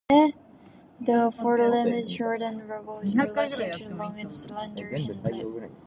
The forelimb is short and robust relative to the long and slender hindlimb.